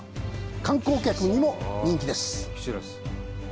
観光客にも人気です。